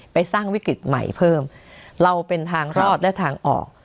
สร้างวิกฤตใหม่เพิ่มเราเป็นทางรอดและทางออก